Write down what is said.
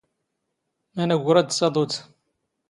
ⵎⴰⵏⴰⴳⵓ ⵔⴰⴷ ⴷ ⵜⴰⴹⵓⴷ?